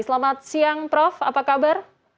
selamat siang prof apa kabar